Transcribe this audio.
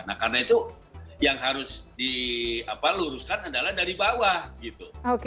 nah karena itu yang harus diluruskan adalah dari bawah gitu